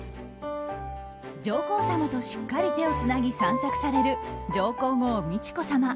上皇さまとしっかり手をつなぎ散策される上皇后・美智子さま。